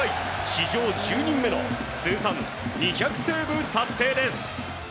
史上１０人目の通算２００セーブ達成です！